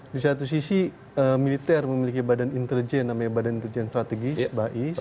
di satu sisi militer memiliki badan intelijen namanya badan intelijen strategis bai